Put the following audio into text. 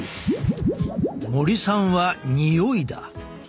森さんはにおいだ。